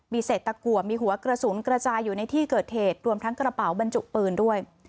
เศษตะกัวมีหัวกระสุนกระจายอยู่ในที่เกิดเหตุรวมทั้งกระเป๋าบรรจุปืนด้วย